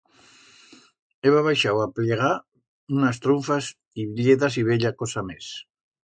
Heba baixau a pllegar unas trunfas y blledas y bella cosa mes.